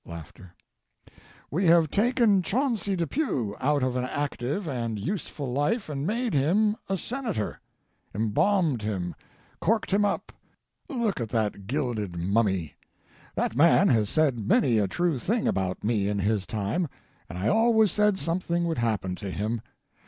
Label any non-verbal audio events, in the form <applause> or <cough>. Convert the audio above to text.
<laughs> "We have taken Chauncey Depew out of an active an useful life and made him a Senator; embalmed him, corked him up; look at that gilded mummy. That man has said many a true thing about me in his time, and I always said something would happen to him.